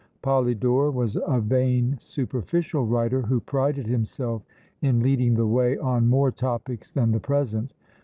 Polydore was a vain, superficial writer, who prided himself in leading the way on more topics than the present.